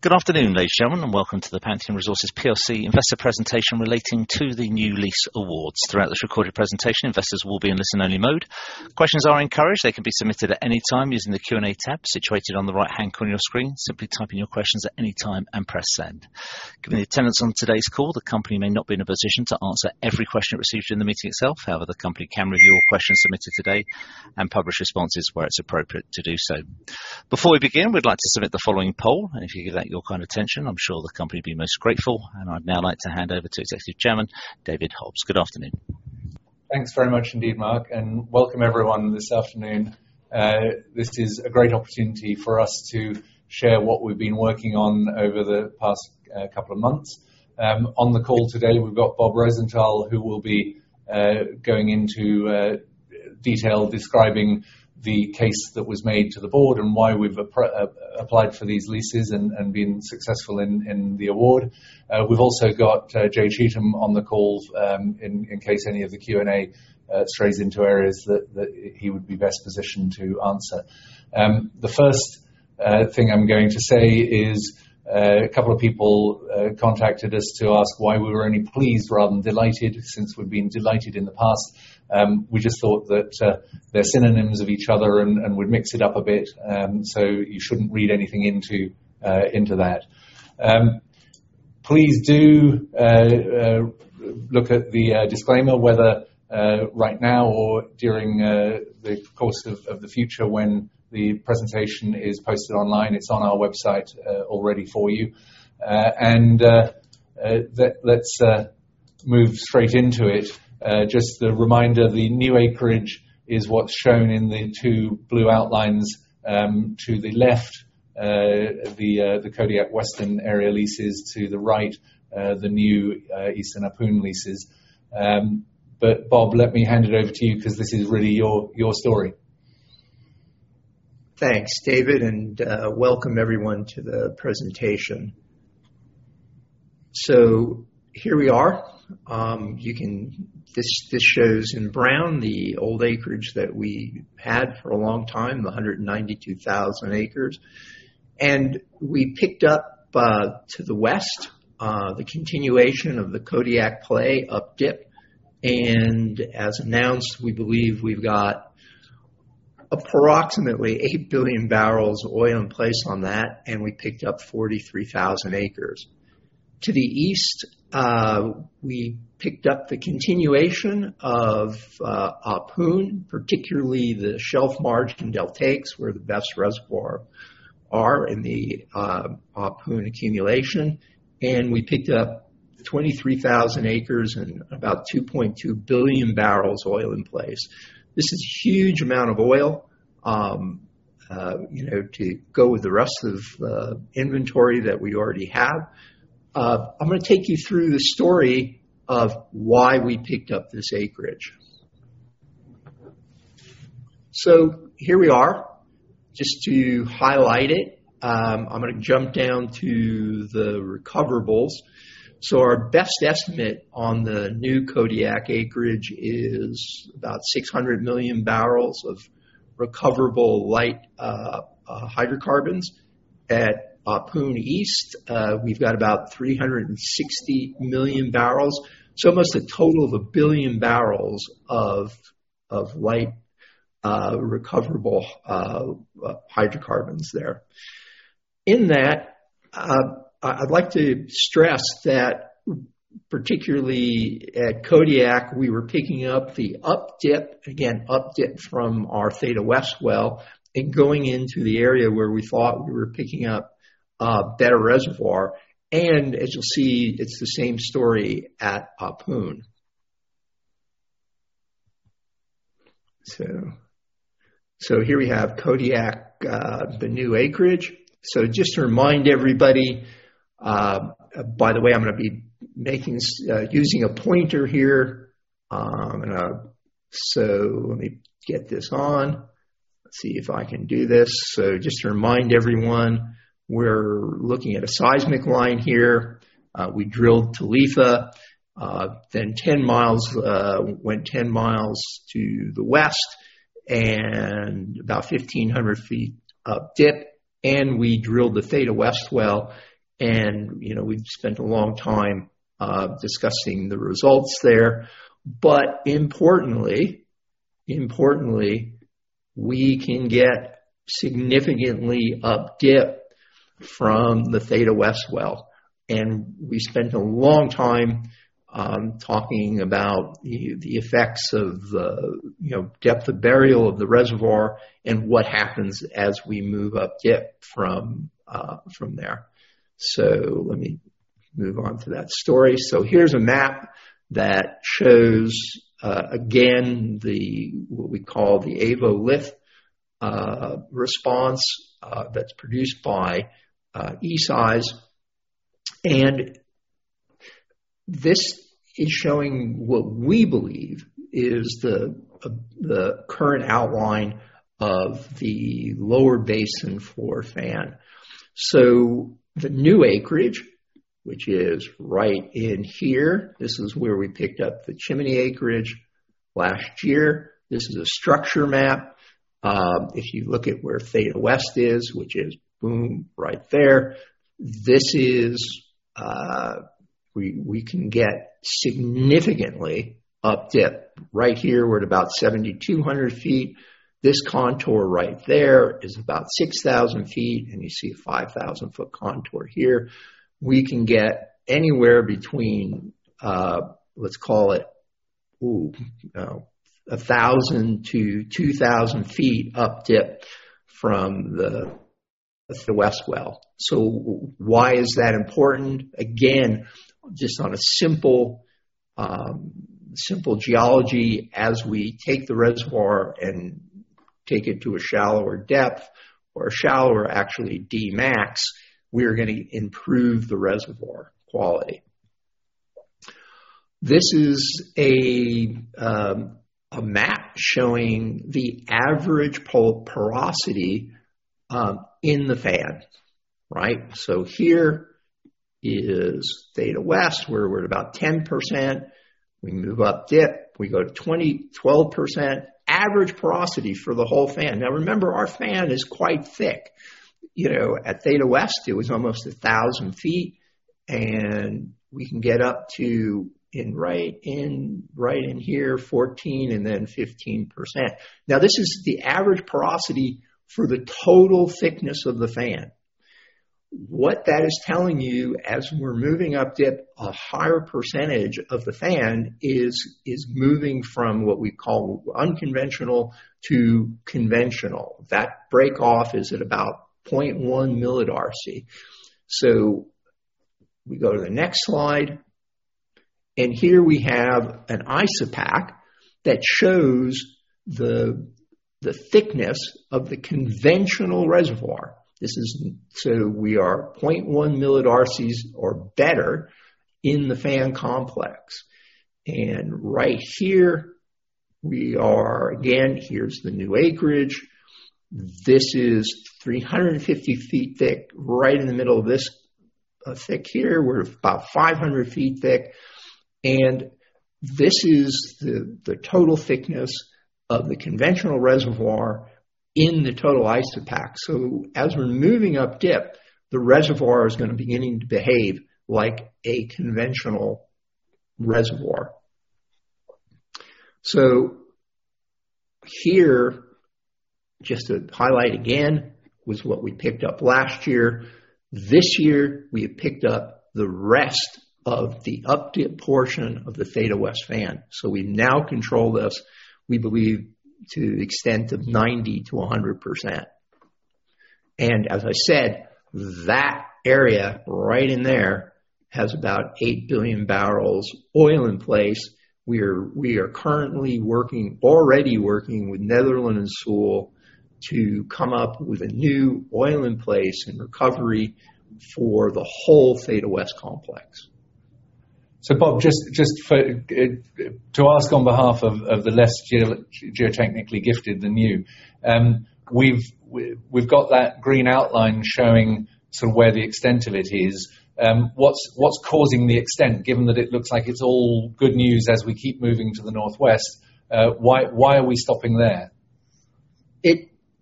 Good afternoon, ladies and gentlemen, and welcome to the Pantheon Resources plc investor presentation relating to the new lease awards. Throughout this recorded presentation, investors will be in listen-only mode. Questions are encouraged. They can be submitted at any time using the Q&A tab situated on the right-hand corner of your screen. Simply type in your questions at any time and press Send. Given the attendance on today's call, the company may not be in a position to answer every question received during the meeting itself. However, the company can review all questions submitted today and publish responses where it's appropriate to do so. Before we begin, we'd like to submit the following poll. If you give that your kind attention, I'm sure the company will be most grateful. I'd now like to hand over to Executive Chairman David Hobbs. Good afternoon. Thanks very much indeed, Mark, and welcome everyone this afternoon. This is a great opportunity for us to share what we've been working on over the past couple of months. On the call today, we've got Bob Rosenthal, who will be going into detail describing the case that was made to the board and why we've applied for these leases and been successful in the award. We've also got Jay Cheatham on the call, in case any of the Q&A strays into areas that he would be best positioned to answer. The first thing I'm going to say is, a couple of people contacted us to ask why we were only pleased rather than delighted, since we've been delighted in the past. We just thought that they're synonyms of each other and would mix it up a bit. You shouldn't read anything into that. Please do look at the disclaimer, whether right now or during the course of the future when the presentation is posted online. It's on our website already for you. Let's move straight into it. Just a reminder, the new acreage is what's shown in the two blue outlines. To the left, the Kodiak Western area leases. To the right, the new Eastern Ahpun leases. Bob, let me hand it over to you because this is really your story. Thanks, David, and welcome everyone to the presentation. Here we are. This shows in brown the old acreage that we had for a long time, the 192,000 acres. We picked up to the west the continuation of the Kodiak play up dip. As announced, we believe we've got approximately 8 billion barrels of oil in place on that, and we picked up 43,000 acres. To the east, we picked up the continuation of Ahpun, particularly the shelf margin deltaics, where the best reservoir are in the Ahpun accumulation. We picked up 23,000 acres and about 2.2 billion barrels of oil in place. This is a huge amount of oil, you know, to go with the rest of inventory that we already have. I'm gonna take you through the story of why we picked up this acreage. Here we are. Just to highlight it, I'm gonna jump down to the recoverables. Our best estimate on the new Kodiak acreage is about 600 million barrels of recoverable light hydrocarbons. At Ahpun East, we've got about 360 million barrels. Almost a total of 1 billion barrels of light recoverable hydrocarbons there. I'd like to stress that particularly at Kodiak, we were picking up the up dip, again, up dip from our Talitha West well, and going into the area where we thought we were picking up better reservoir. As you'll see, it's the same story at Ahpun. Here we have Kodiak, the new acreage. Just to remind everybody, by the way, I'm gonna be using a pointer here. Let me get this on. Let's see if I can do this. Just to remind everyone, we're looking at a seismic line here. We drilled Talitha, then 10 mi, went 10 mi to the west and about 1,500 feet of dip, and we drilled the Theta West well, and, you know, we've spent a long time discussing the results there. Importantly, we can get significantly up dip from the Theta West well. We spent a long time talking about the effects of the depth of burial of the reservoir and what happens as we move up dip from there. Let me move on to that story. Here's a map that shows, again, the what we call the AVO lith response that's produced by eSeis. This is showing what we believe is the current outline of the lower basin floor fan. The new acreage, which is right in here. This is where we picked up the chimney acreage last year. This is a structure map. If you look at where Talitha West is, which is, boom, right there. We can get significantly up dip. Right here, we're at about 7,200 feet. This contour right there is about 6,000 feet, and you see a 5,000-foot contour here. We can get anywhere between, let's call it, 1,000 to 2,000 feet up dip from the west well. Why is that important? Again, just on a simple geology, as we take the reservoir to a shallower depth or a shallower actually Dmax, we are gonna improve the reservoir quality. This is a map showing the average bulk porosity in the fan. Right? So here is Talitha West, where we're at about 10%. We move up dip to 12% average porosity for the whole fan. Now, remember, our fan is quite thick. You know, at Talitha West, it was almost 1,000 feet, and we can get up to right in here 14% and then 15%. Now, this is the average porosity for the total thickness of the fan. What that is telling you, as we're moving up dip, a higher percentage of the fan is moving from what we call unconventional to conventional. That break off is at about 0.1 millidarcy. We go to the next slide, and here we have an isopach that shows the thickness of the conventional reservoir. We are 0.1 millidarcies or better in the fan complex. Right here we are. Again, here's the new acreage. This is 350 feet thick. Right in the middle of this thick here, we're about 500 feet thick. This is the total thickness of the conventional reservoir in the total isopach. As we're moving up dip, the reservoir is gonna beginning to behave like a conventional reservoir. Here, just to highlight again, was what we picked up last year. This year, we have picked up the rest of the up dip portion of the Talitha West fan. We now control this, we believe, to the extent of 90%-100%. As I said, that area right in there has about 8 billion barrels oil in place. We are already working with Netherland Sewell to come up with a new oil in place and recovery for the whole Talitha West complex. Bob, just to ask on behalf of the less geotechnically gifted than you, we've got that green outline showing sort of where the extent of it is. What's causing the extent, given that it looks like it's all good news as we keep moving to the northwest, why are we stopping there?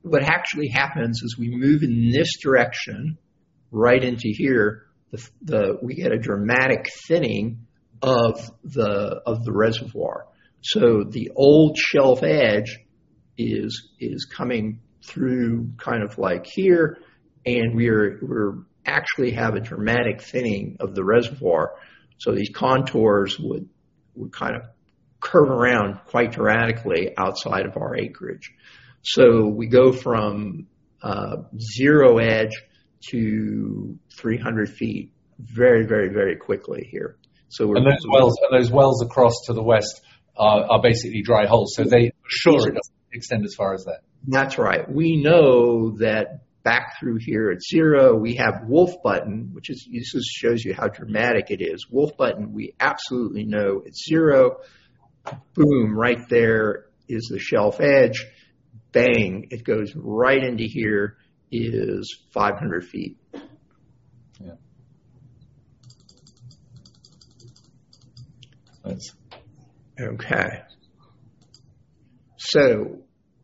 What actually happens is we move in this direction right into here. We get a dramatic thinning of the reservoir. The old shelf edge is coming through kind of like here, and we're actually have a dramatic thinning of the reservoir. These contours would kind of curve around quite dramatically outside of our acreage. We go from zero edge to 300 feet very quickly here. We're Those wells across to the west are basically dry holes, so they- Sure. Simply don't extend as far as that. That's right. We know that back through here at zero, we have Wolfbutton, which is. This just shows you how dramatic it is. Wolfbutton, we absolutely know it's 0. Boom, right there is the shelf edge. Bang, it goes right into here is 500 feet. Yeah. Thanks. Okay.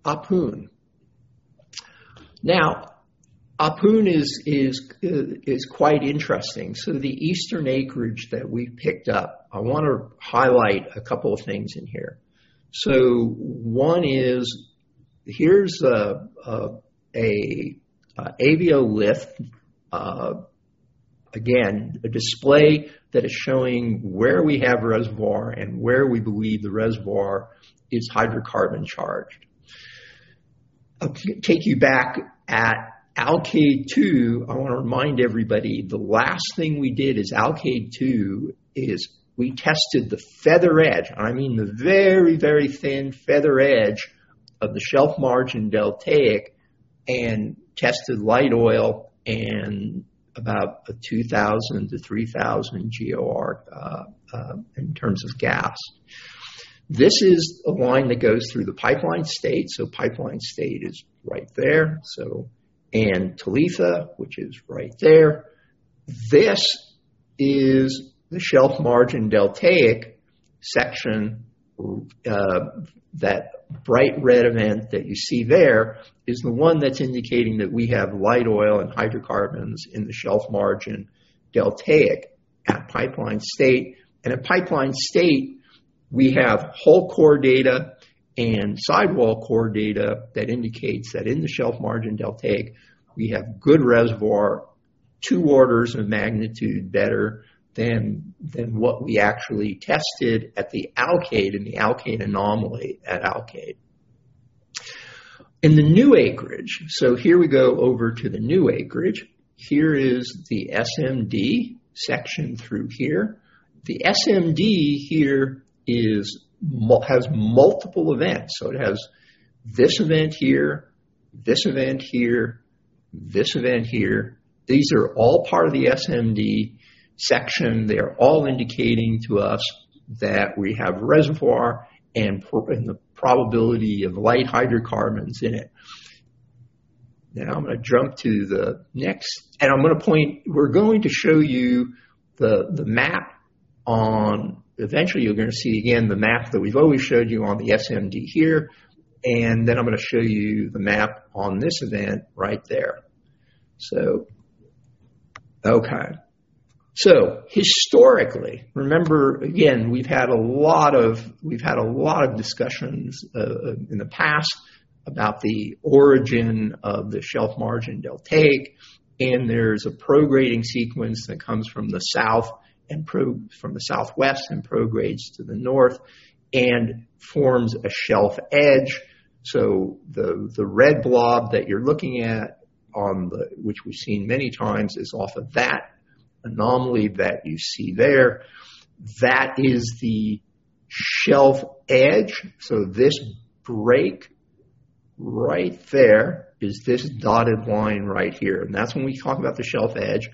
Ahpun. Now, Ahpun is quite interesting. The eastern acreage that we picked up, I wanna highlight a couple of things in here. One is, here's a AVO lith. Again, a display that is showing where we have reservoir and where we believe the reservoir is hydrocarbon charged. I'll take you back at Alkaid #2. I wanna remind everybody, the last thing we did is Alkaid #2 is we tested the feather edge. I mean, the very, very thin feather edge of the shelf margin deltaic and tested light oil and about a 2,000-3,000 GOR in terms of gas. This is a line that goes through the Pipeline State-1. Pipeline State-1 is right there. Talitha, which is right there. This is the shelf margin deltaic section. That bright red event that you see there is the one that's indicating that we have light oil and hydrocarbons in the shelf margin deltaic at Pipeline State-1. At Pipeline State-1, we have whole core data and sidewall core data that indicates that in the shelf margin deltaic, we have good reservoir, two orders of magnitude better than what we actually tested at the Alkaid, in the Alkaid anomaly at Alkaid. In the new acreage. Here we go over to the new acreage. Here is the SMD section through here. The SMD here has multiple events. It has this event here, this event here, this event here. These are all part of the SMD section. They're all indicating to us that we have reservoir and the probability of light hydrocarbons in it. Now I'm gonna jump to the next. I'm gonna point. We're going to show you the map on. Eventually you're gonna see again the map that we've always showed you on the SMD here, and then I'm gonna show you the map on this event right there. Okay. Historically, remember again, we've had a lot of discussions in the past about the origin of the shelf margin deltaic. There's a prograding sequence that comes from the south and from the southwest and progrades to the north and forms a shelf edge. The red blob that you're looking at on the, which we've seen many times, is off of that anomaly that you see there. That is the shelf edge. This break right there is this dotted line right here. That's when we talk about the shelf edge,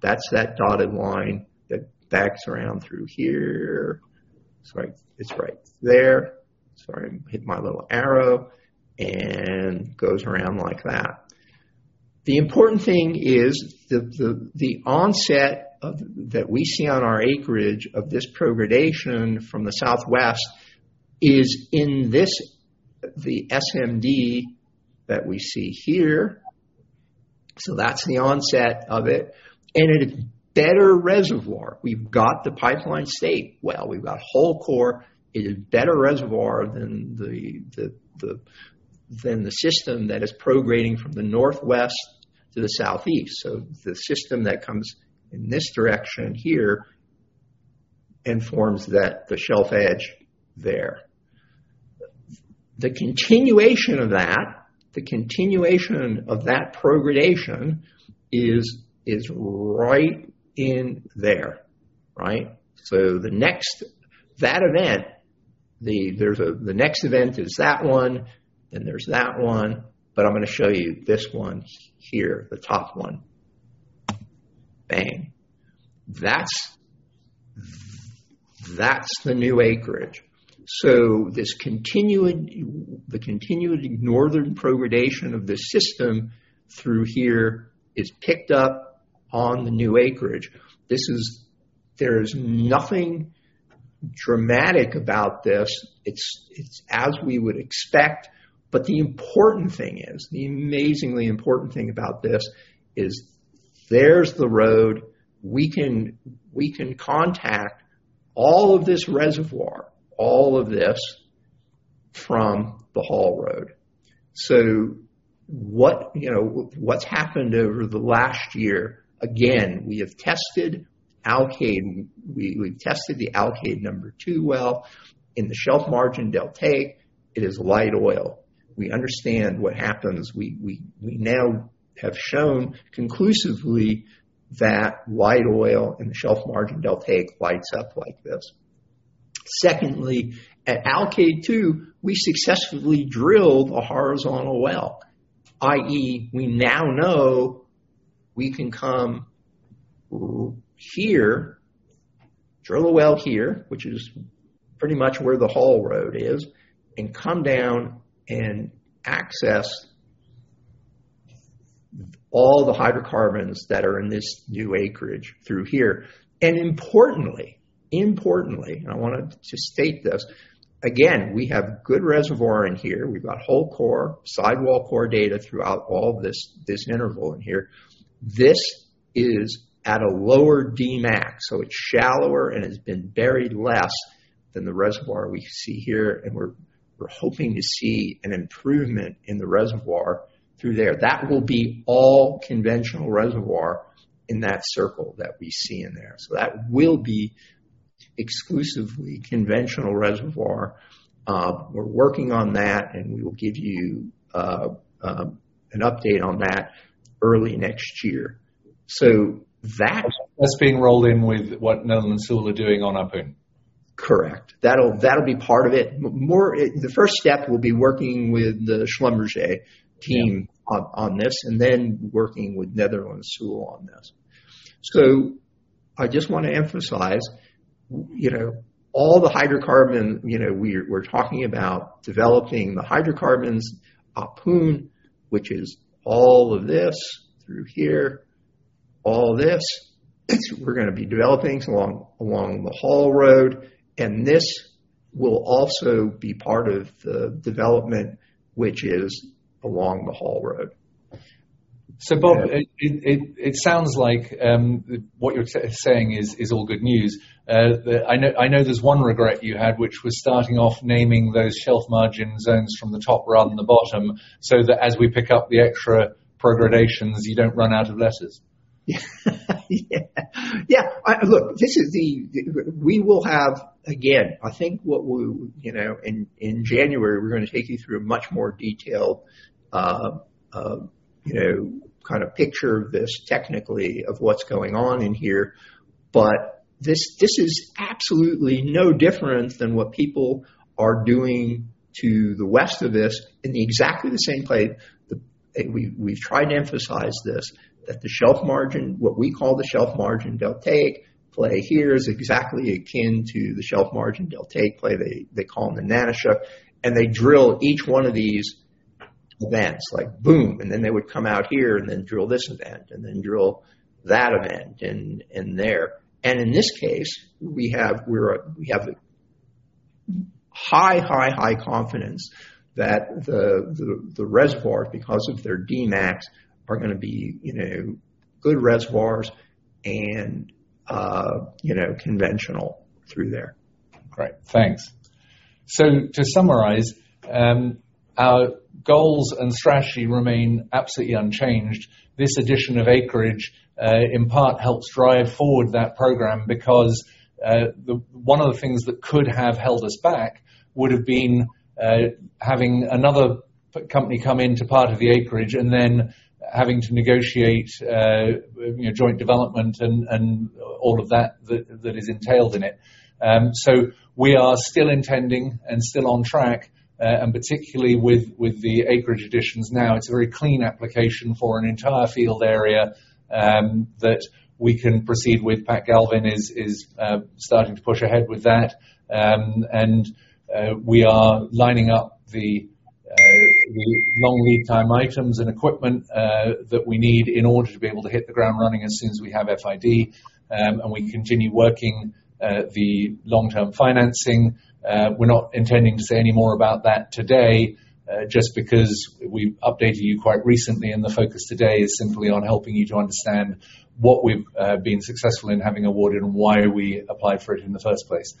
that's that dotted line that arcs around through here. It's right there. Sorry, hit my little arrow. It goes around like that. The important thing is the onset of that we see on our acreage of this progradation from the southwest is in this, the SMD that we see here. That's the onset of it. At a better reservoir. We've got the Pipeline State-1 well. We've got whole core. It is better reservoir than the system that is prograding from the northwest to the southeast. The system that comes in this direction here and forms that, the shelf edge there. The continuation of that progradation is right in there, right? The next that event, the there's a. The next event is that one, then there's that one, but I'm gonna show you this one here, the top one. Bang. That's the new acreage. This continuing northern progradation of this system through here is picked up on the new acreage. This is. There's nothing dramatic about this. It's as we would expect. The important thing is, the amazingly important thing about this is there's the road. We can contact all of this reservoir, all of this from the Haul Road. What, you know, what's happened over the last year, again, we have tested Alkaid. We've tested the Alkaid number two well. In the shelf margin deltaic, it is light oil. We understand what happens. We now have shown conclusively that light oil in the shelf margin deltaic lights up like this. Secondly, at Alkaid #2, we successfully drilled a horizontal well, i.e., we now know we can come here, drill a well here, which is pretty much where the Haul Road is, and come down and access all the hydrocarbons that are in this new acreage through here. Importantly, and I wanted to state this again, we have good reservoir in here. We've got whole core, sidewall core data throughout all this interval in here. This is at a lower Dmax, so it's shallower and has been buried less than the reservoir we see here. We're hoping to see an improvement in the reservoir through there. That will be all conventional reservoir in that circle that we see in there. That will be exclusively conventional reservoir. We're working on that, and we will give you an update on that early next year. So that- That's being rolled in with what Netherland, Sewell are doing on Ahpun? Correct. That'll be part of it. The first step will be working with the Schlumberger team- Yeah. on this, and then working with Netherland, Sewell & Associates on this. I just wanna emphasize, you know, all the hydrocarbon, you know, we're talking about developing the hydrocarbons, Ahpun, which is all of this through here, all this, we're gonna be developing along the Haul Road, and this will also be part of the development which is along the Haul Road. Bob, it sounds like what you're saying is all good news. I know there's one regret you had, which was starting off naming those shelf margin zones from the top rather than the bottom, so that as we pick up the extra progradations, you don't run out of letters. Look, this is. Again, I think what we'll. You know, in January, we're gonna take you through much more detailed, you know, kind of picture of this technically of what's going on in here. But this is absolutely no different than what people are doing to the west of this in exactly the same play. We've tried to emphasize this, that the shelf margin, what we call the shelf margin delta play here is exactly akin to the shelf margin delta play they call the Nanushuk, and they drill each one of these events like boom, and then they would come out here and then drill this event and then drill that event and there. In this case, we have. We're a. We have high confidence that the reservoirs, because of their Dmax, are gonna be, you know, good reservoirs and, you know, conventional through there. Great. Thanks. To summarize, our goals and strategy remain absolutely unchanged. This addition of acreage in part helps drive forward that program because the one of the things that could have held us back would have been having another company come into part of the acreage and then having to negotiate you know joint development and all of that that is entailed in it. We are still intending and still on track and particularly with the acreage additions now, it's a very clean application for an entire field area that we can proceed with. Pat Galvin is starting to push ahead with that. We are lining up the long lead time items and equipment that we need in order to be able to hit the ground running as soon as we have FID. We continue working on the long-term financing. We're not intending to say any more about that today just because we updated you quite recently, and the focus today is simply on helping you to understand what we've been successful in having awarded and why we applied for it in the first place.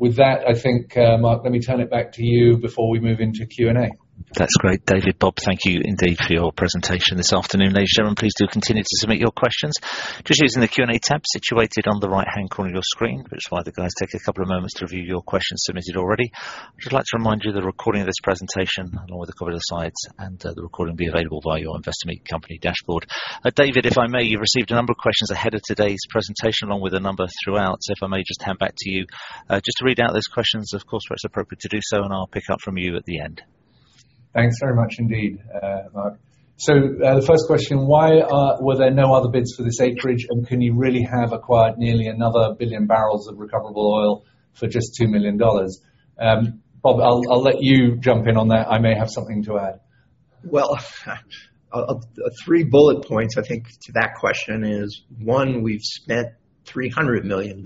With that, I think, Mark, let me turn it back to you before we move into Q&A. That's great. David, Bob, thank you indeed for your presentation this afternoon. Ladies and gentlemen, please do continue to submit your questions. Just using the Q&A tab situated on the right-hand corner of your screen. We just like the guys take a couple of moments to review your questions submitted already. Just like to remind you the recording of this presentation, along with a copy of the slides and the recording will be available via your Investor Meet Company dashboard. David, if I may, you received a number of questions ahead of today's presentation, along with a number throughout. If I may just hand back to you, just to read out those questions, of course, where it's appropriate to do so, and I'll pick up from you at the end. Thanks very much indeed, Mark. So, the first question, why were there no other bids for this acreage, and can you really have acquired nearly another billion barrels of recoverable oil for just $2 million? Bob, I'll let you jump in on that. I may have something to add. Well, three bullet points, I think, to that question is, one, we've spent $300 million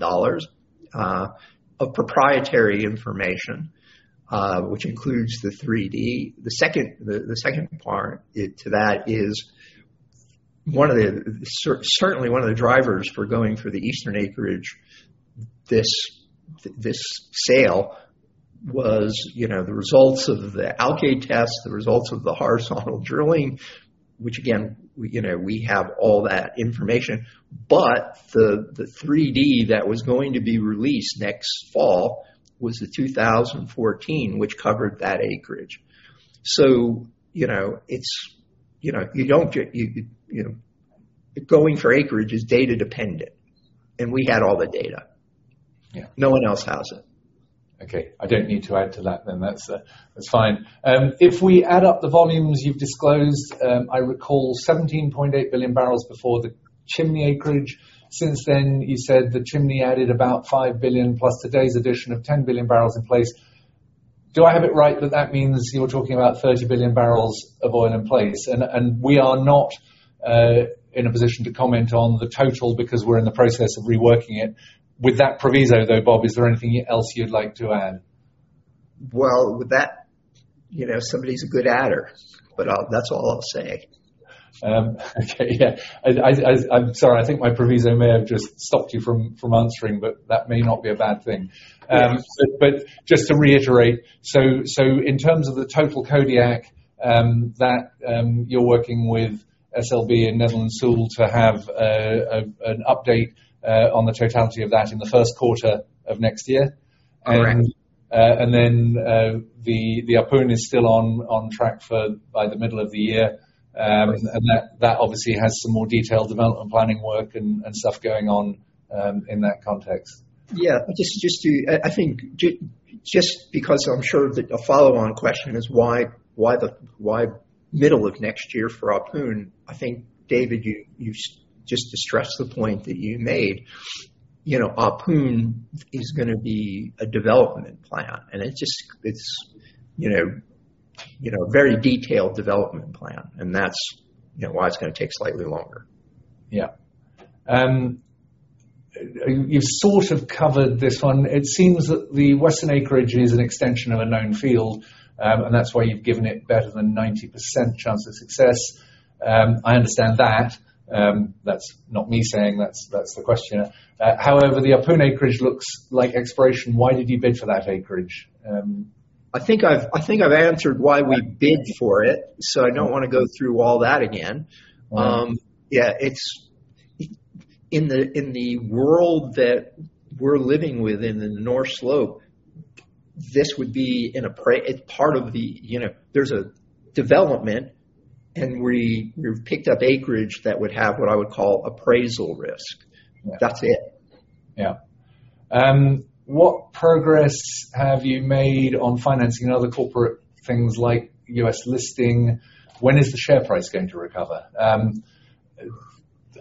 of proprietary information, which includes the 3D. The second part to that is certainly one of the drivers for going for the eastern acreage. This sale was, you know, the results of the Alkaid test, the results of the horizontal drilling, which again, we, you know, we have all that information. But the 3D that was going to be released next fall was the 2014, which covered that acreage. You know, going for acreage is data dependent, and we had all the data. Yeah. No one else has it. Okay. I don't need to add to that then. That's fine. If we add up the volumes you've disclosed, I recall 17.8 billion barrels before the Chimney acreage. Since then, you said the Chimney added about 5 billion plus today's addition of 10 billion barrels in place. Do I have it right that that means you're talking about 30 billion barrels of oil in place? We are not in a position to comment on the total because we're in the process of reworking it. With that proviso, though, Bob, is there anything else you'd like to add? Well, with that, you know, somebody's a good adder, but that's all I'll say. Okay, yeah. I'm sorry, I think my proviso may have just stopped you from answering, but that may not be a bad thing. Yes. Just to reiterate, in terms of the total Kodiak that you're working with SLB and Netherland, Sewell to have an update on the totality of that in the first quarter of next year. Correct. The Ahpun is still on track by the middle of the year. Yes. That obviously has some more detailed development planning work and stuff going on, in that context. Yeah. Just to, I think just because I'm sure that a follow-on question is why the middle of next year for Ahpun? I think, David, you just to stress the point that you made. You know, Ahpun is gonna be a development plan, and it's you know, a very detailed development plan, and that's you know, why it's gonna take slightly longer. Yeah. You sort of covered this one. It seems that the western acreage is an extension of a known field, and that's why you've given it better than 90% chance of success. I understand that. That's not me saying, that's the question. However, the Ahpun acreage looks like exploration. Why did you bid for that acreage? I think I've answered why we bid for it, so I don't wanna go through all that again. Right. In the world that we're living within the North Slope, this would be part of the, you know. There's a development, and we've picked up acreage that would have what I would call appraisal risk. Yeah. That's it. Yeah. What progress have you made on financing other corporate things like U.S. listing? When is the share price going to recover?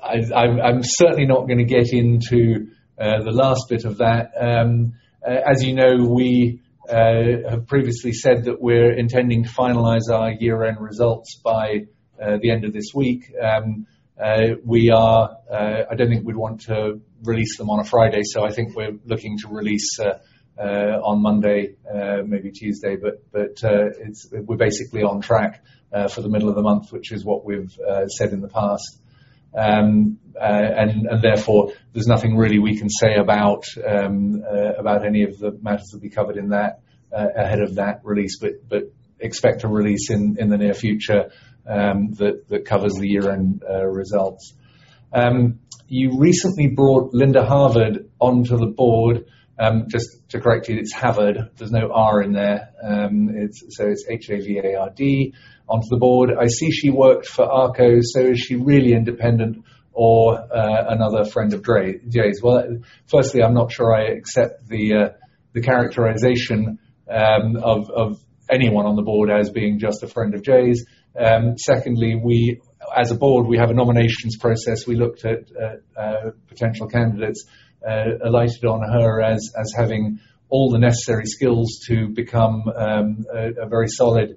I'm certainly not gonna get into the last bit of that. As you know, we have previously said that we're intending to finalize our year-end results by the end of this week. I don't think we'd want to release them on a Friday, so I think we're looking to release on Monday, maybe Tuesday. We're basically on track for the middle of the month, which is what we've said in the past. Therefore there's nothing really we can say about any of the matters that we covered in that ahead of that release. Expect a release in the near future that covers the year-end results. You recently brought Linda Havard onto the board. Just to correct you, it's Havard. There's no R in there. It's so it's H-A-V-A-R-D onto the board. I see she worked for ARCO, so is she really independent or another friend of Jay's? Well, firstly, I'm not sure I accept the characterization of anyone on the board as being just a friend of Jay's. Secondly, as a board, we have a nominations process. We looked at potential candidates, alighted on her as having all the necessary skills to become a very solid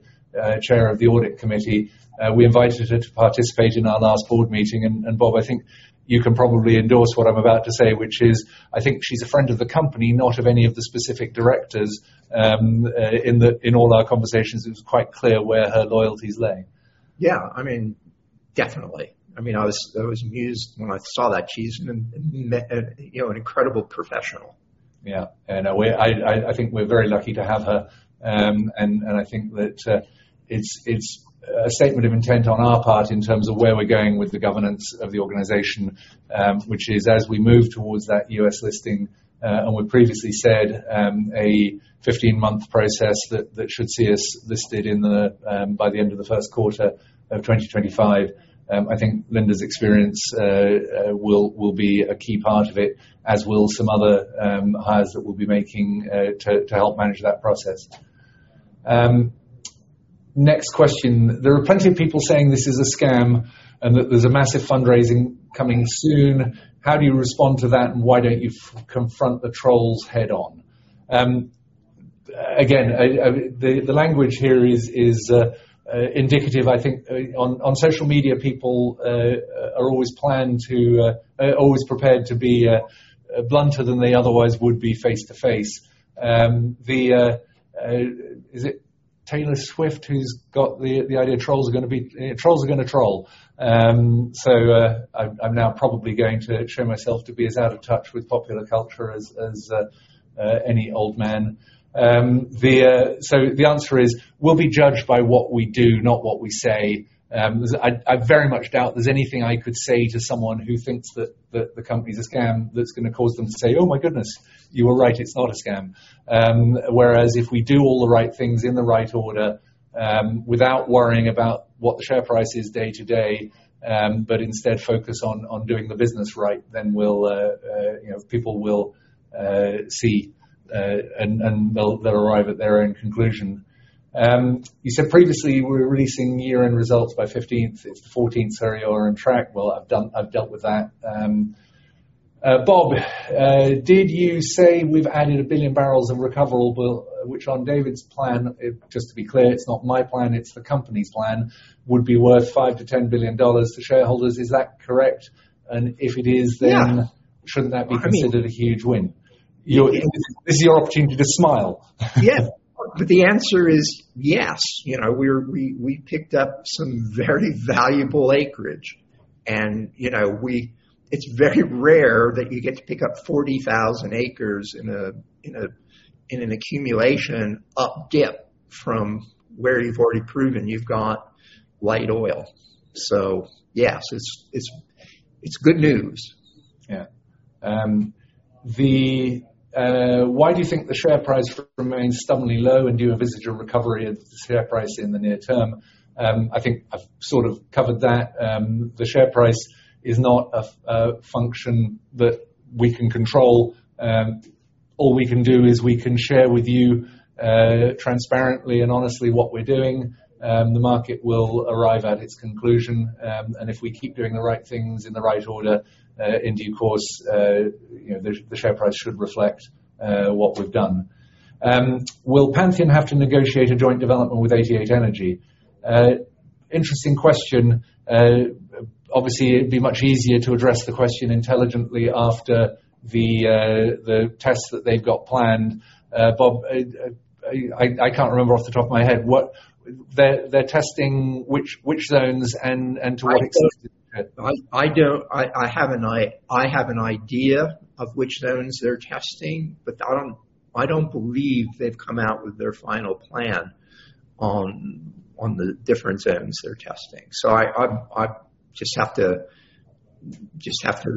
chair of the audit committee. We invited her to participate in our last board meeting. Bob, I think you can probably endorse what I'm about to say, which is, I think she's a friend of the company, not of any of the specific directors. In all our conversations, it was quite clear where her loyalties lay. Yeah. I mean, definitely. I mean, I was amused when I saw that. She's an amazing, you know, an incredible professional. Yeah. I think we're very lucky to have her. I think that it's a statement of intent on our part in terms of where we're going with the governance of the organization, which is as we move towards that U.S. listing, and we previously said, a 15-month process that should see us listed by the end of the first quarter of 2025. I think Linda's experience will be a key part of it, as will some other hires that we'll be making to help manage that process. Next question. There are plenty of people saying this is a scam and that there's a massive fundraising coming soon. How do you respond to that, and why don't you confront the trolls head on? Again, the language here is indicative. I think on social media, people are always prepared to be blunter than they otherwise would be face-to-face. Is it Taylor Swift who's got the idea trolls are gonna be trolls are gonna troll. I'm now probably going to show myself to be as out of touch with popular culture as any old man. The answer is, we'll be judged by what we do, not what we say. I very much doubt there's anything I could say to someone who thinks that the company's a scam that's gonna cause them to say, "Oh, my goodness, you were right. It's not a scam. Whereas if we do all the right things in the right order, without worrying about what the share price is day to day, but instead focus on doing the business right, then we'll, you know, people will see, and they'll arrive at their own conclusion. You said previously you were releasing year-end results by 15th. It's the 14th. Sorry, are we on track? Well, I've dealt with that. Bob, did you say we've added 1 billion barrels of recoverable, which on David's plan, it just to be clear, it's not my plan, it's the company's plan, would be worth $5 billion-$10 billion to shareholders. Is that correct? If it is- Yeah. Shouldn't that be considered a huge win? This is your opportunity to smile. Yeah. The answer is yes. You know, we picked up some very valuable acreage. You know, it's very rare that you get to pick up 40,000 acres in an accumulation up dip from where you've already proven you've got light oil. Yes, it's good news. Why do you think the share price remains stubbornly low and do you envisage a recovery of the share price in the near term? I think I've sort of covered that. The share price is not a function that we can control. All we can do is we can share with you transparently and honestly what we're doing. The market will arrive at its conclusion. If we keep doing the right things in the right order, in due course, you know, the share price should reflect what we've done. Will Pantheon have to negotiate a joint development with 88 Energy? Interesting question. Obviously it'd be much easier to address the question intelligently after the tests that they've got planned. Bob, I can't remember off the top of my head what they're testing, which zones and to what extent. I don't have an idea of which zones they're testing, but I don't believe they've come out with their final plan on the different zones they're testing. I just have to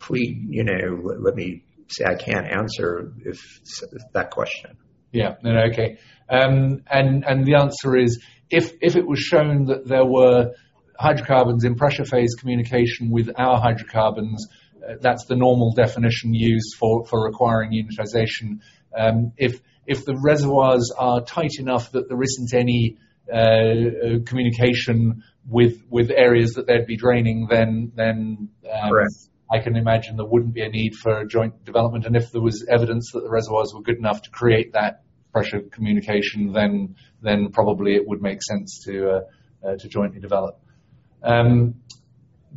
plead, you know, let me say I can't answer that question. The answer is, if it was shown that there were hydrocarbons in pressure communication with our hydrocarbons, that's the normal definition used for requiring unitization. If the reservoirs are tight enough that there isn't any communication with areas that they'd be draining then. Correct. I can imagine there wouldn't be a need for a joint development. If there was evidence that the reservoirs were good enough to create that pressure communication, then probably it would make sense to jointly develop.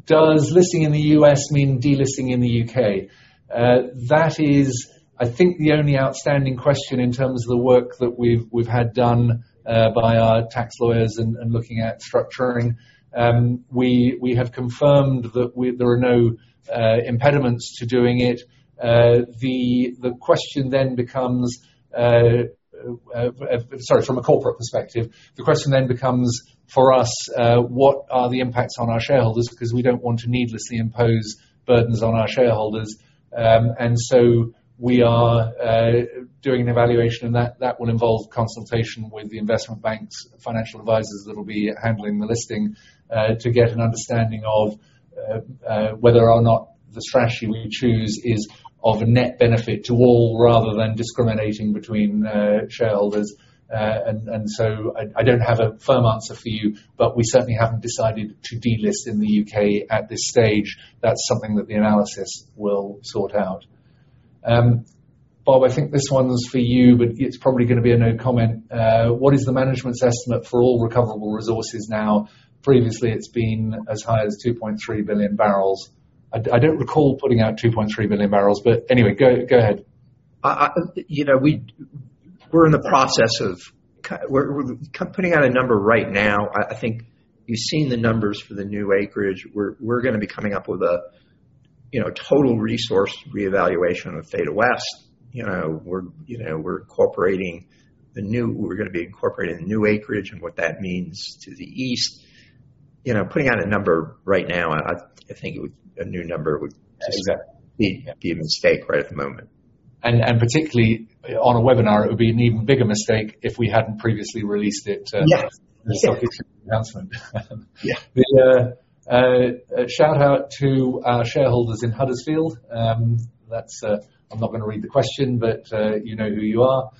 Does listing in the U.S. mean delisting in the U.K.? That is, I think the only outstanding question in terms of the work that we've had done by our tax lawyers and looking at structuring. We have confirmed that there are no impediments to doing it. The question then becomes for us, from a corporate perspective, what are the impacts on our shareholders? Because we don't want to needlessly impose burdens on our shareholders. We are doing an evaluation, and that will involve consultation with the investment banks, financial advisors that'll be handling the listing to get an understanding of whether or not the strategy we choose is of a net benefit to all rather than discriminating between shareholders. I don't have a firm answer for you, but we certainly haven't decided to delist in the U.K. at this stage. That's something that the analysis will sort out. Bob, I think this one's for you, but it's probably gonna be a no comment. What is the management's estimate for all recoverable resources now? Previously, it's been as high as 2.3 billion barrels. I don't recall putting out 2.3 billion barrels, but anyway, go ahead. You know, we're putting out a number right now. I think you've seen the numbers for the new acreage. We're gonna be coming up with a, you know, total resource reevaluation of Talitha West. You know, we're incorporating the new acreage and what that means to the east. You know, putting out a number right now, I think it would be a mistake. A new number would just be a mistake right at the moment. particularly on a webinar, it would be an even bigger mistake if we hadn't previously released it. Yes. The stock exchange announcement. Yeah. The shout out to our shareholders in Huddersfield. That's. I'm not gonna read the question, but you know who you are.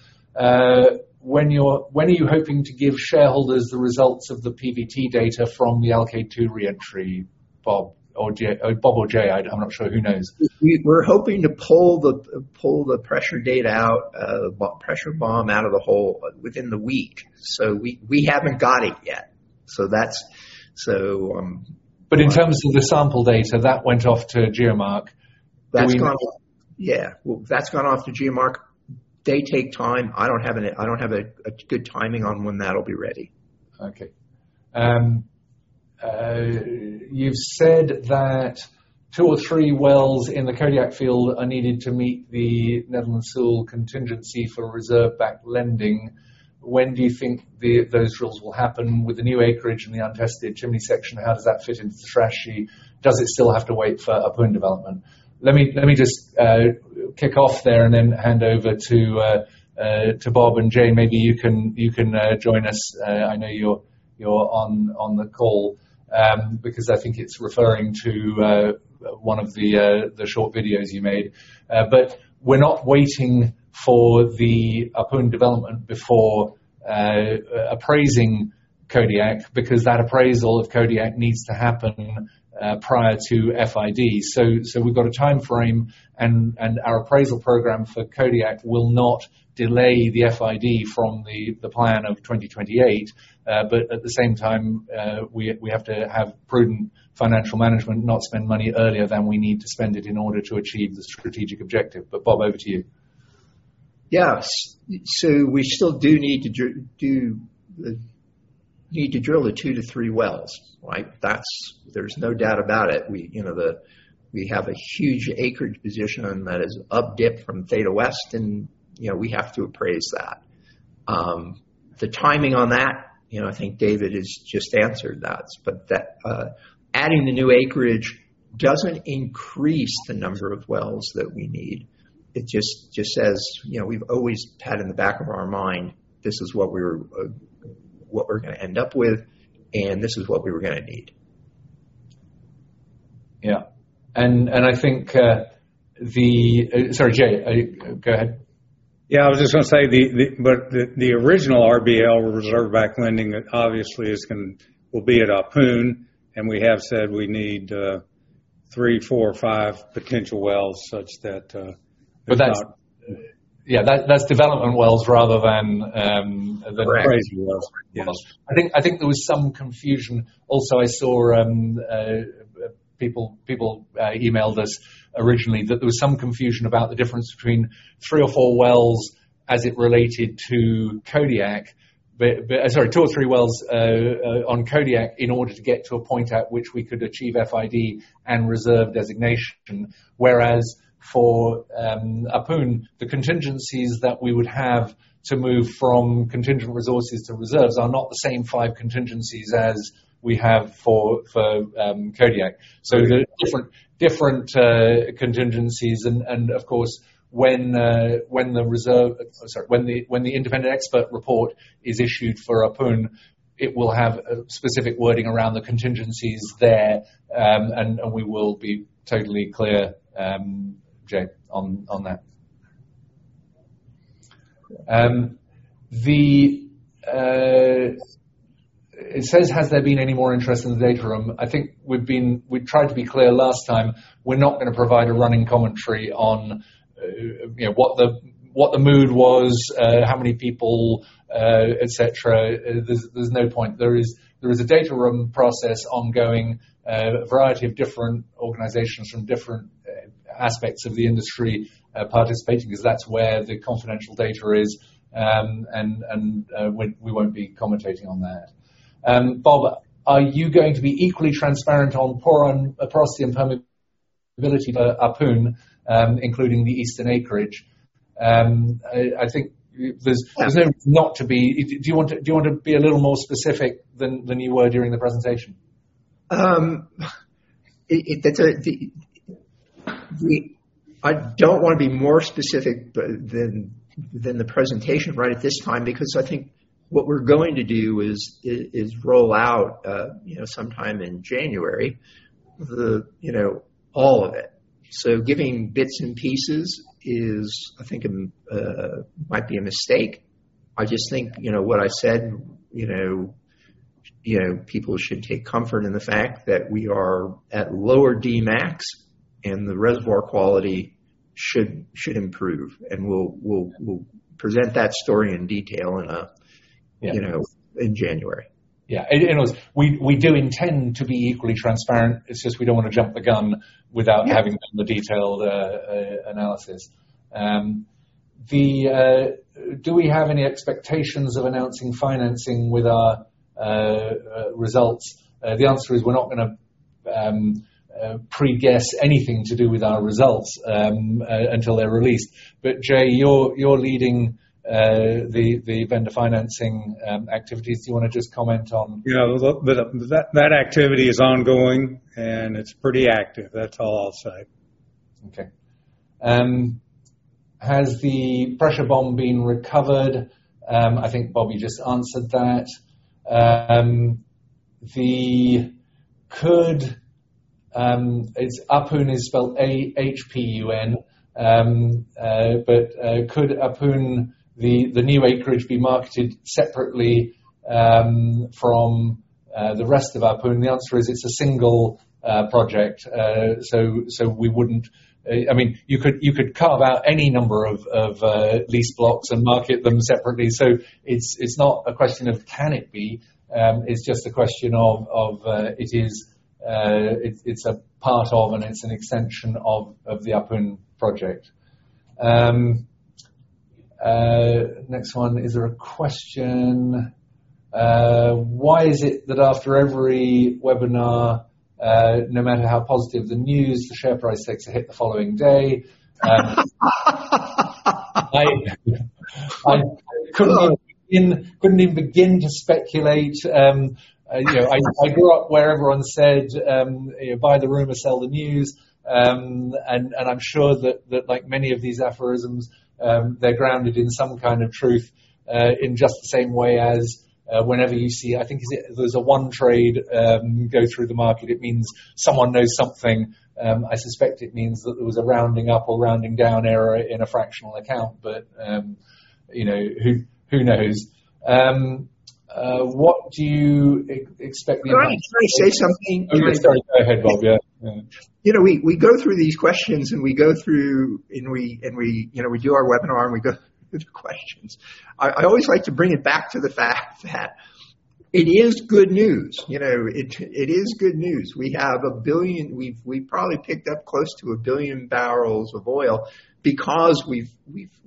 When are you hoping to give shareholders the results of the PVT data from the Alkaid #2 reentry, Bob or Jay? I'm not sure who knows. We're hoping to pull the pressure bomb out of the hole within the week. We haven't got it yet. That's. In terms of the sample data that went off to GeoMark. That's gone. Yeah. That's gone off to GeoMark. They take time. I don't have a good timing on when that'll be ready. Okay. You've said that two or three wells in the Kodiak field are needed to meet the Netherland Sewell contingency for reserve-based lending. When do you think those wells will happen with the new acreage and the untested chimney section? How does that fit into the strategy? Does it still have to wait for a pool development? Let me just kick off there and then hand over to Bob and Jay. Maybe you can join us. I know you're on the call because I think it's referring to one of the short videos you made. We're not waiting for the Ahpun development before appraising Kodiak because that appraisal of Kodiak needs to happen prior to FID. We've got a timeframe and our appraisal program for Kodiak will not delay the FID from the plan of 2028. At the same time, we have to have prudent financial management, not spend money earlier than we need to spend it in order to achieve the strategic objective. Bob, over to you. Yeah. We still need to drill the 2-3 wells, right? That's. There's no doubt about it. We, you know, have a huge acreage position that is up dip from Talitha West and, you know, we have to appraise that. The timing on that, you know, I think David has just answered that. That, adding the new acreage doesn't increase the number of wells that we need. It just says, you know, we've always had in the back of our mind, this is what we were, what we're gonna end up with, and this is what we were gonna need. Yeah. Sorry, Jay. Are you? Go ahead. The original RBL Reserve Based Lending obviously will be at Ahpun, and we have said we need 3, 4, 5 potential wells such that Yeah. That's development wells rather than the- Correct. Crazy wells. Yes. I think there was some confusion. Also, I saw people emailed us originally that there was some confusion about the difference between two or three wells as it related to Kodiak. Two or three wells on Kodiak in order to get to a point at which we could achieve FID and reserve designation. Whereas for Ahpun, the contingencies that we would have to move from contingent resources to reserves are not the same five contingencies as we have for Kodiak. They're different contingencies. Of course, when the independent expert report is issued for Ahpun, it will have a specific wording around the contingencies there. We will be totally clear, Jay, on that. It says, "Has there been any more interest in the data room?" I think we've been. We tried to be clear last time. We're not gonna provide a running commentary on, you know, what the mood was, how many people, et cetera. There's no point. There is a data room process ongoing. A variety of different organizations from different aspects of the industry participating 'cause that's where the confidential data is. We won't be commentating on that. Bob, are you going to be equally transparent on porosity and permeability for Ahpun, including the eastern acreage? I think there's presumed not to be. Do you want to be a little more specific than you were during the presentation? I don't wanna be more specific than the presentation right at this time, because I think what we're going to do is roll out, you know, sometime in January, you know, all of it. Giving bits and pieces is, I think, might be a mistake. I just think, you know what I said, you know, people should take comfort in the fact that we are at lower Dmax, and the reservoir quality should improve. We'll present that story in detail in a Yeah. You know, in January. Yeah. Anyways, we do intend to be equally transparent. It's just we don't wanna jump the gun without- Yeah. Having the detailed analysis. Do we have any expectations of announcing financing with our results? The answer is we're not gonna pre-guess anything to do with our results until they're released. Jay, you're leading the vendor financing activities. Do you wanna just comment on- Yeah. Well, that activity is ongoing, and it's pretty active. That's all I'll say. Okay. Has the pressure bomb been recovered? I think Bob just answered that. It's Ahpun is spelled A-H-P-U-N. But could Ahpun, the new acreage, be marketed separately from the rest of Ahpun? The answer is it's a single project. We wouldn't. I mean, you could carve out any number of lease blocks and market them separately. It's not a question of can it be, it's just a question of it is, it's a part of and it's an extension of the Ahpun project. Next one. Is there a question. Why is it that after every webinar, no matter how positive the news, the share price takes a hit the following day? I couldn't even begin to speculate. You know, I grew up where everyone said, you know, "Buy the rumor, sell the news." I'm sure that like many of these aphorisms, they're grounded in some kind of truth, in just the same way as whenever you see I think is it there's an odd trade go through the market, it means someone knows something. I suspect it means that there was a rounding up or rounding down error in a fractional account. You know, who knows? What do you expect me- Can I say something? Okay. Sorry. Go ahead, Bob. Yeah. Yeah. You know, we go through these questions. You know, we do our webinar and we go through questions. I always like to bring it back to the fact that it is good news. You know, it is good news. We have a billion. We've probably picked up close to a billion barrels of oil because we've.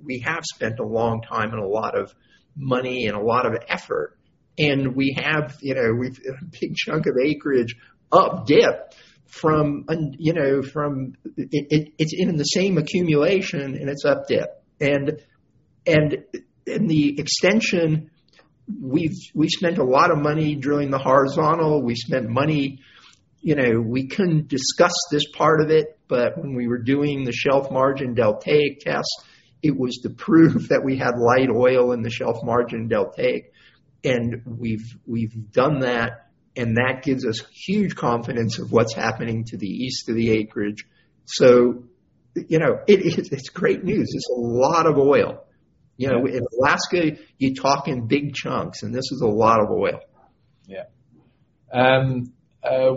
We have spent a long time, and a lot of money, and a lot of effort. We have, you know, we've a big chunk of acreage up dip from you know, from. It is in the same accumulation, and it is up dip. In the extension, we've spent a lot of money drilling the horizontal. We spent money. You know, we couldn't discuss this part of it, but when we were doing the shelf margin delta test, it was to prove that we had light oil in the shelf margin delta. We've done that, and that gives us huge confidence of what's happening to the east of the acreage. You know, it's great news. It's a lot of oil. You know, in Alaska, you talk in big chunks, and this is a lot of oil.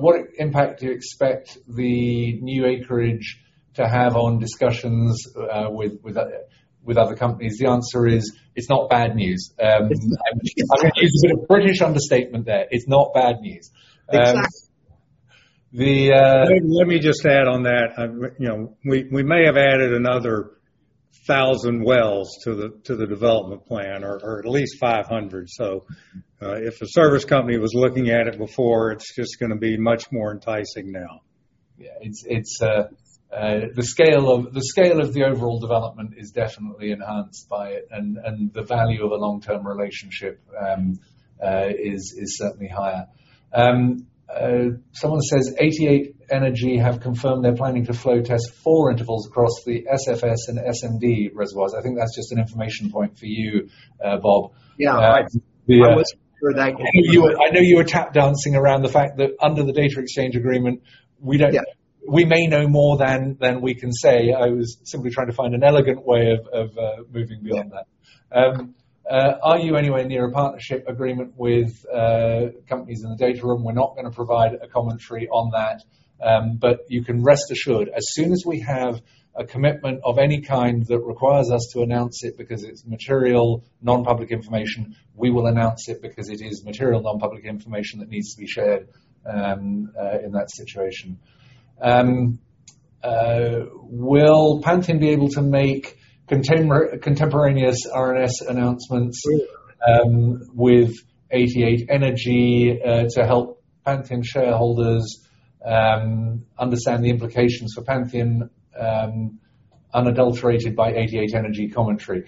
What impact do you expect the new acreage to have on discussions with other companies? The answer is it's not bad news. It's not. I mean, it's a bit of British understatement there. It's not bad news. Exactly. Um, the, uh- Let me just add on that. You know, we may have added another 1,000 wells to the development plan or at least 500. If a service company was looking at it before, it's just gonna be much more enticing now. Yeah. It's the scale of the overall development is definitely enhanced by it and the value of a long-term relationship is certainly higher. Someone says, "88 Energy have confirmed they're planning to flow test four intervals across the SFS and SMD reservoirs." I think that's just an information point for you, Bob. Yeah. The, uh- I wasn't sure that. I know you were tap dancing around the fact that under the data exchange agreement, we don't- Yeah. We may know more than we can say. I was simply trying to find an elegant way of moving beyond that. Yeah. Are you anywhere near a partnership agreement with companies in the data room? We're not gonna provide a commentary on that. You can rest assured, as soon as we have a commitment of any kind that requires us to announce it because it's material, non-public information, we will announce it because it is material non-public information that needs to be shared, in that situation. Will Pantheon be able to make contemporaneous RNS announcements, with 88 Energy, to help Pantheon shareholders, understand the implications for Pantheon, unadulterated by 88 Energy commentary?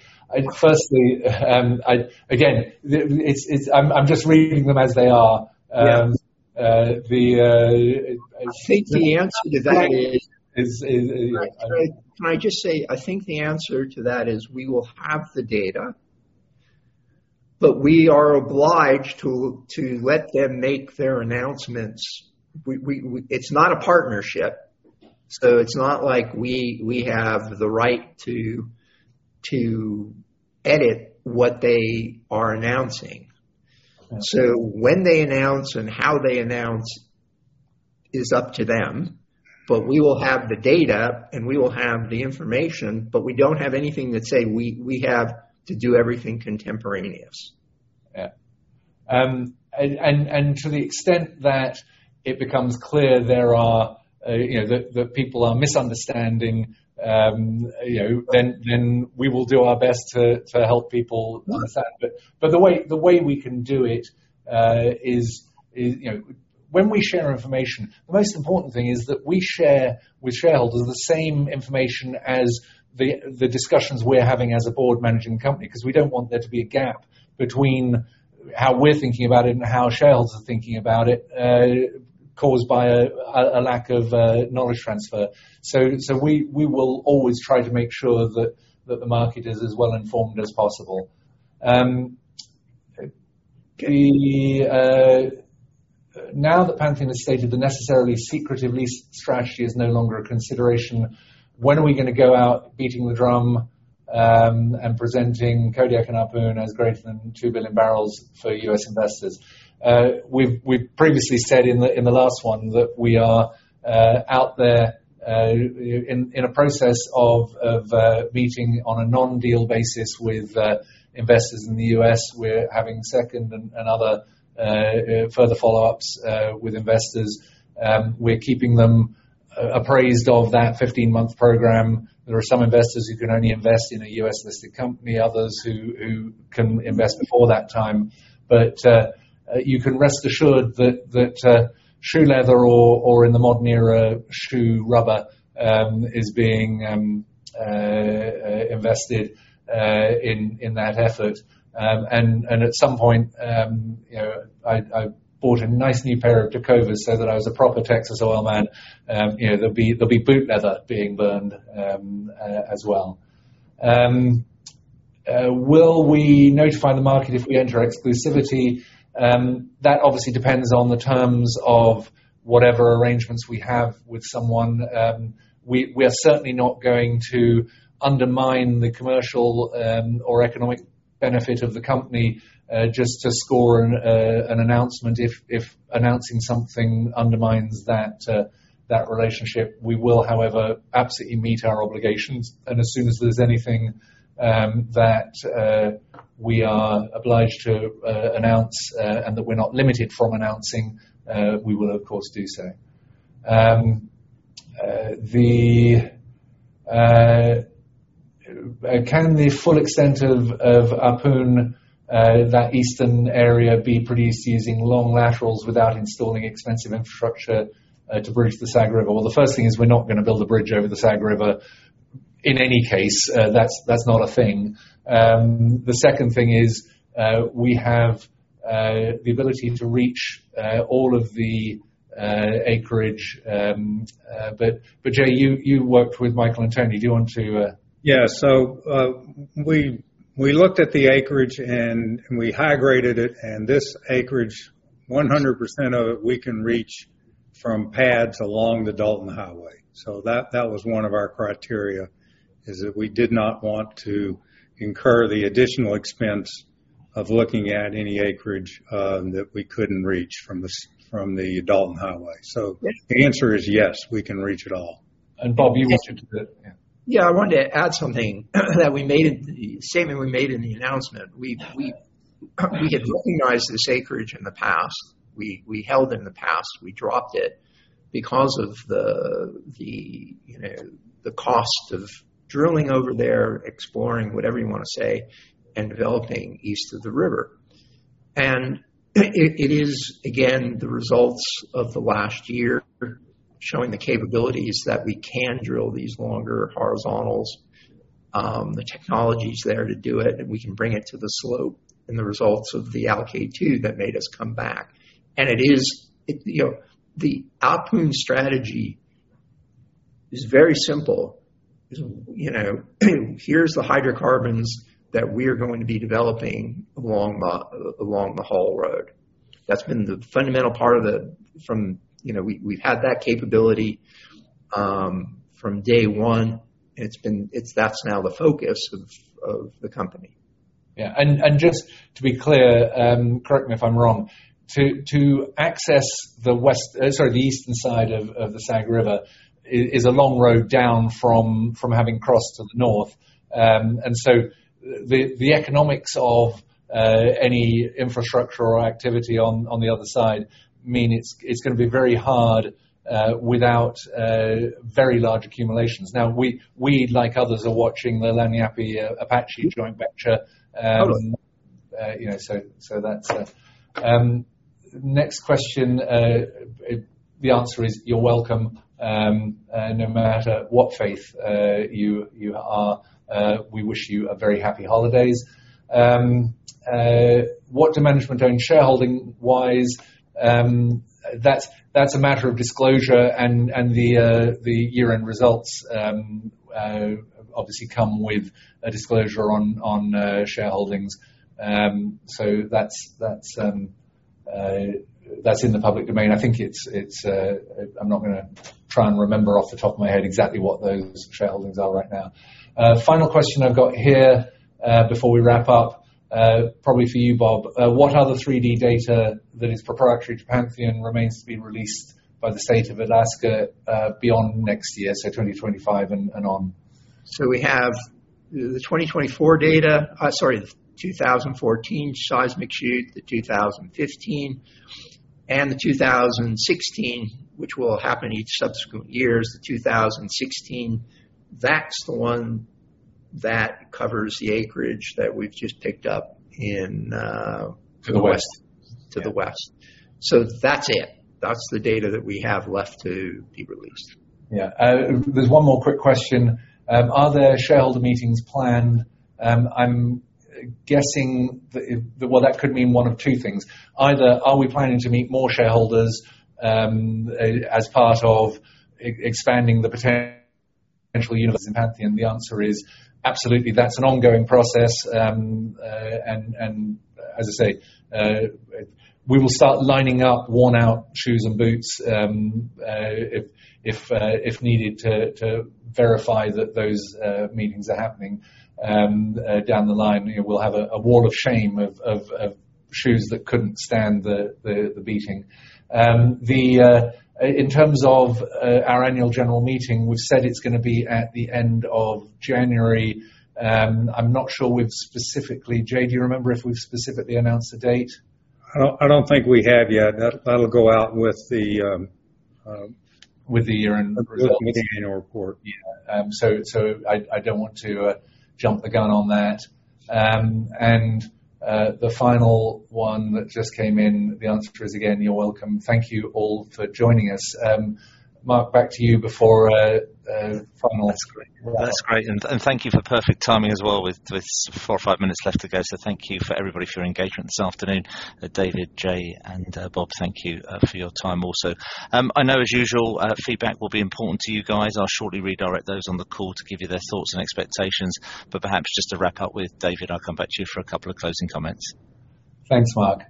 Firstly, again, it's. I'm just reading them as they are. Yeah. Um, uh, the, uh... I think the answer to that is. Is, is- Can I just say, I think the answer to that is we will have the data, but we are obliged to let them make their announcements. It's not a partnership, so it's not like we have the right to edit what they are announcing. Okay. When they announce and how they announce is up to them, but we will have the data, and we will have the information. We don't have anything that say we have to do everything contemporaneous. Yeah. To the extent that it becomes clear there are, you know, that people are misunderstanding, you know, then we will do our best to help people understand. Yeah. The way we can do it, you know, when we share information, the most important thing is that we share with shareholders the same information as the discussions we're having as a board managing company. 'Cause we don't want there to be a gap between how we're thinking about it and how shareholders are thinking about it, caused by a lack of knowledge transfer. We will always try to make sure that the market is as well informed as possible. Now that Pantheon has stated the necessarily secretive lease strategy is no longer a consideration, when are we gonna go out beating the drum, and presenting Kodiak and Ahpun as greater than 2 billion barrels for U.S. investors? We've previously said in the last one that we are out there in a process of meeting on a non-deal basis with investors in the U.S. We're having second and other further follow-ups with investors. We're keeping them appraised of that 15-month program. There are some investors who can only invest in a U.S.-listed company, others who can invest before that time. You can rest assured that shoe leather or in the modern era, shoe rubber is being invested in that effort. At some point, you know, I bought a nice new pair of Dakota boots so that I was a proper Texas oil man. You know, there'll be boot leather being burned as well. Will we notify the market if we enter exclusivity? That obviously depends on the terms of whatever arrangements we have with someone. We are certainly not going to undermine the commercial or economic benefit of the company just to score an announcement if announcing something undermines that relationship. We will, however, absolutely meet our obligations, and as soon as there's anything that we are obliged to announce and that we're not limited from announcing, we will of course do so. Can the full extent of Ahpun that eastern area be produced using long laterals without installing expensive infrastructure to bridge the Sag River? Well, the first thing is, we're not gonna build a bridge over the Sag River in any case. That's not a thing. The second thing is, we have the ability to reach all of the acreage. Jay, you worked with Michael and Toni. Do you want to Yeah. We looked at the acreage and we high-graded it, and this acreage, 100% of it we can reach from pads along the Dalton Highway. That was one of our criteria, is that we did not want to incur the additional expense of looking at any acreage that we couldn't reach from the Dalton Highway. The answer is yes, we can reach it all. Bob, you wanted to the. Yeah. Yeah. I wanted to add something that we made in the announcement. The statement we made in the announcement. We had recognized this acreage in the past. We held it in the past. We dropped it because of you know, the cost of drilling over there, exploring whatever you wanna say, and developing east of the river. It is, again, the results of the last year showing the capabilities that we can drill these longer horizontals. The technology's there to do it, and we can bring it to the slope and the results of the Alkaid #2 that made us come back. It is. You know, the Ahpun strategy is very simple. You know, here's the hydrocarbons that we're going to be developing along the Haul Road. That's been the fundamental part of the. You know, we've had that capability from day one. That's now the focus of the company. Just to be clear, correct me if I'm wrong, to access the eastern side of the Sag River is a long road down from having crossed to the north. The economics of any infrastructure or activity on the other side mean it's gonna be very hard without very large accumulations. Now we like others are watching the Iñupiat Apache joint venture. You know, that's that. Next question, the answer is you're welcome. No matter what faith you are, we wish you a very happy holidays. What do management own shareholding-wise? That's a matter of disclosure and the year-end results obviously come with a disclosure on shareholdings. That's in the public domain. I think it's. I'm not gonna try and remember off the top of my head exactly what those shareholdings are right now. Final question I've got here, before we wrap up, probably for you, Bob. What other 3D data that is proprietary to Pantheon remains to be released by the State of Alaska, beyond next year, so 2025 and on? We have the 2014 seismic shoot, the 2015, and the 2016, which will happen each subsequent years. The 2016, that's the one that covers the acreage that we've just picked up in. To the west. To the west. That's it. That's the data that we have left to be released. Yeah. There's one more quick question. Are there shareholder meetings planned? I'm guessing that. Well, that could mean one of two things. Either are we planning to meet more shareholders, as part of expanding the potential universe in Pantheon? The answer is absolutely. That's an ongoing process. And as I say, we will start lining up worn-out shoes and boots, if needed, to verify that those meetings are happening down the line. You know, we'll have a wall of shame of shoes that couldn't stand the beating. In terms of our Annual General Meeting, we've said it's gonna be at the end of January. I'm not sure we've specifically announced. Jay, do you remember if we've specifically announced a date? I don't think we have yet. That'll go out with the. With the year-end results. With the annual report. Yeah. I don't want to jump the gun on that. The final one that just came in, the answer is, again, you're welcome. Thank you all for joining us. Mark, back to you before final- That's great. Thank you for perfect timing as well with four or five minutes left to go. Thank you to everybody for your engagement this afternoon. David, Jay, and Bob, thank you for your time also. I know as usual, feedback will be important to you guys. I'll shortly redirect those on the call to give you their thoughts and expectations. Perhaps just to wrap up with David, I'll come back to you for a couple of closing comments. Thanks, Mark.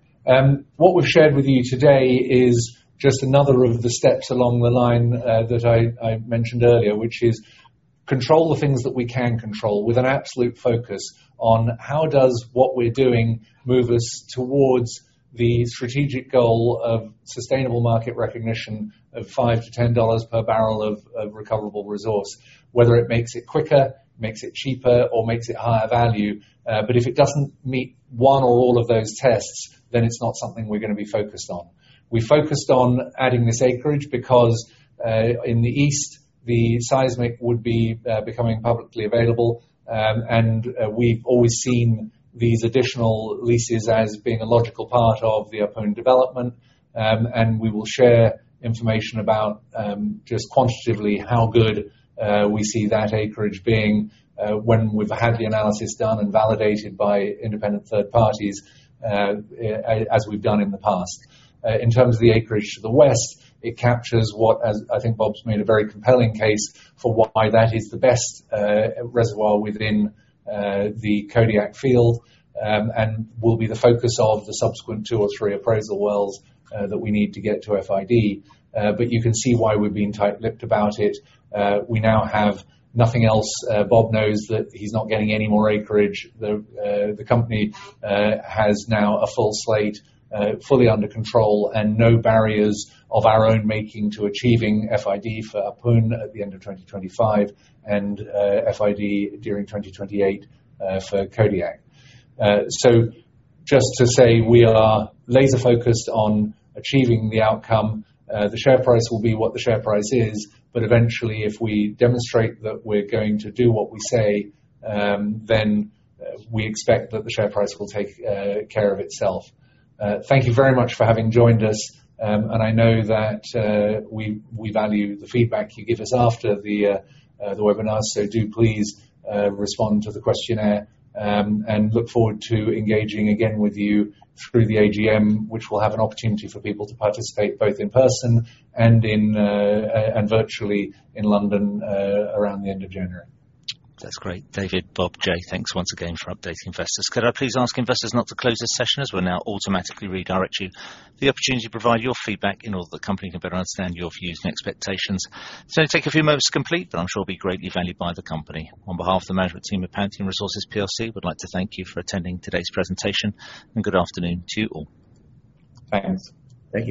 What we've shared with you today is just another of the steps along the line that I mentioned earlier, which is control the things that we can control with an absolute focus on how does what we're doing move us towards the strategic goal of sustainable market recognition of $5-$10 per barrel of recoverable resource. Whether it makes it quicker, makes it cheaper, or makes it higher value, but if it doesn't meet one or all of those tests, then it's not something we're gonna be focused on. We focused on adding this acreage because in the east, the seismic would be becoming publicly available. We've always seen these additional leases as being a logical part of the Ahpun development. We will share information about just quantitatively how good we see that acreage being when we've had the analysis done and validated by independent third parties as we've done in the past. In terms of the acreage to the west, it captures what, as I think Bob's made a very compelling case for why that is the best reservoir within the Kodiak field and will be the focus of the subsequent two or three appraisal wells that we need to get to FID. You can see why we're being tight-lipped about it. We now have nothing else. Bob knows that he's not getting any more acreage. The company has now a full slate fully under control and no barriers of our own making to achieving FID for Ahpun at the end of 2025, and FID during 2028 for Kodiak. Just to say we are laser focused on achieving the outcome. The share price will be what the share price is, but eventually, if we demonstrate that we're going to do what we say, then we expect that the share price will take care of itself. Thank you very much for having joined us. I know that we value the feedback you give us after the webinar. Do please respond to the questionnaire, and look forward to engaging again with you through the AGM, which will have an opportunity for people to participate both in person and virtually in London around the end of January. That's great. David, Bob, Jay, thanks once again for updating investors. Could I please ask investors not to close this session as we'll now automatically redirect you to the opportunity to provide your feedback in order that the company can better understand your views and expectations. It's gonna take a few moments to complete, but I'm sure it'll be greatly valued by the company. On behalf of the management team at Pantheon Resources PLC, we'd like to thank you for attending today's presentation, and good afternoon to you all. Thanks. Thank you.